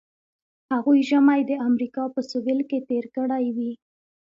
هغوی ژمی د امریکا په سویل کې تیر کړی وي